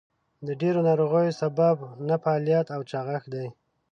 د ډېرو ناروغیو سبب نهفعاليت او چاغښت دئ.